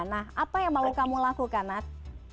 nah apa yang mau kamu lakukan nat